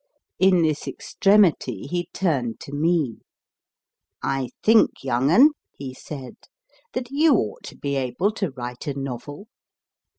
In this extremity he turned to me. * I think, young un, he said, that you ought to be able to write a novel.